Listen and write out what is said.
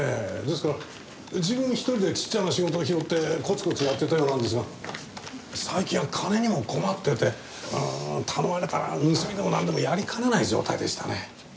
ですから自分一人でちっちゃな仕事を拾ってコツコツやってたようなんですが最近は金にも困ってて頼まれたら盗みでもなんでもやりかねない状態でしたね。